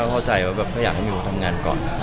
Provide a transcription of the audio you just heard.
เข้าใจว่าแบบก็อยากให้มิวทำงานก่อน